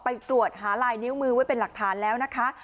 ไปตรวจหาลายนิ้วมือไว้เป็นหลักฐานแล้วนะคะ